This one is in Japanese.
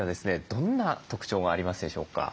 どんな特徴がありますでしょうか？